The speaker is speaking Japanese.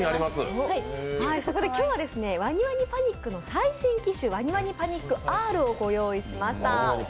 そこで今日は「ワニワニパニック」の最新機種「ワニワニパニックＲ」をご用意しました。